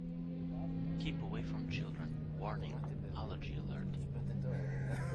Keep away from children - Warning: Allergy Alert!